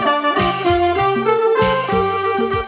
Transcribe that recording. เธอไม่รู้ว่าเธอไม่รู้